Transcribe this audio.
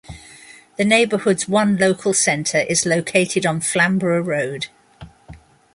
The neighbourhood's one local centre is located on Flamborough Road.